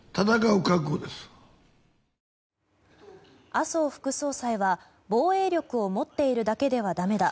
麻生副総裁は、防衛力を持っているだけではだめだ。